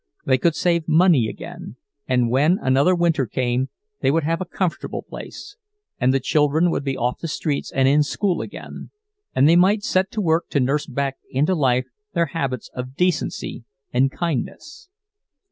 They could save money again, and when another winter came they would have a comfortable place; and the children would be off the streets and in school again, and they might set to work to nurse back into life their habits of decency and kindness.